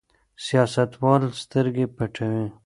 سیاستوال سترګې پټوي.